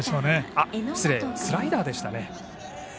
失礼、スライダーでしたね。